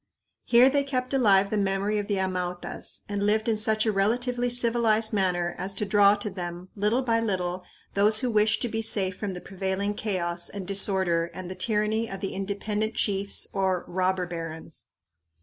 Here they kept alive the memory of the Amautas and lived in such a relatively civilized manner as to draw to them, little by little, those who wished to be safe from the prevailing chaos and disorder and the tyranny of the independent chiefs or "robber barons."